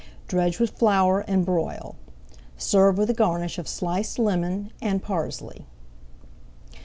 Dredge with flour and broil. Serve with a garnish of sliced lemon and parsley.